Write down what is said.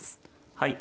はい。